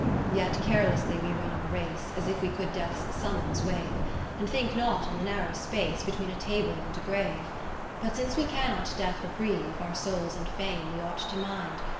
IV Yet carelessly we run our race. As if we could Death's summons wave; And think not on the narrow space Between a table and a grave, v But since we cannot Death reprieve. Our souls and fame we ought to mind.